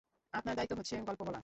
আপনার দায়িত্ব হচ্ছে গল্প বলা।